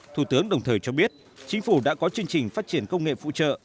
thủ tướng đồng thời cho biết chính phủ đã có chương trình phát triển công nghệ phụ trợ